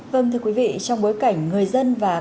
vâng thưa quý vị trong bối cảnh người dân và bà bà